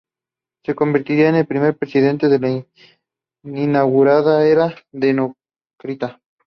Se convertirá en el primer Presidente de la inaugurada era democrática.